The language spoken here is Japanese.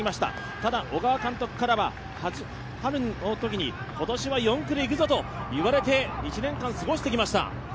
ただ、小川監督からは春のときに、今年は４区でいくぞと言われて１年間過ごしてきました。